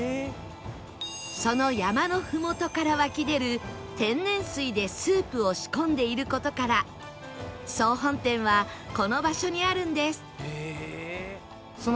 その山のふもとから湧き出る天然水でスープを仕込んでいる事から総本店はこの場所にあるんです